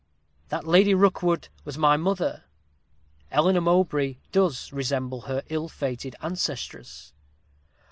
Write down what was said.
That Lady Rookwood was my mother. Eleanor Mowbray does resemble her ill fated ancestress.'